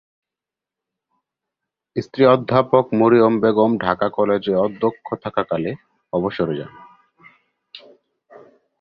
স্ত্রী অধ্যাপক মরিয়ম বেগম ঢাকা কলেজে অধ্যক্ষ থাকাকালে অবসরে যান।